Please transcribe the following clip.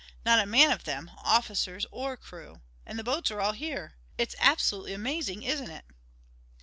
Not a man of them, officers or crew, and the boats are all here. It's absolutely amazing, isn't it?"